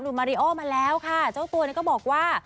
มาริโอมาแล้วค่ะเจ้าตัวเนี่ยก็บอกว่า